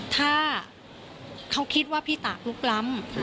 ถ้าเขาคิดว่าพี่ตากลุกล้ำ